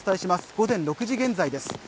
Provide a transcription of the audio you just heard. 午前６時現在です。